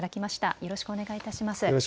よろしくお願いします。